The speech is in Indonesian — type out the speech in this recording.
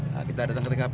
nah kita datang ke tkp